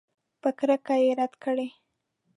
په کرکه یې رد کړه.